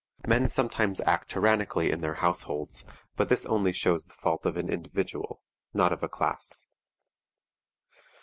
Men sometimes act tyrannically in their households, but this only shows the fault of an individual, not of a class.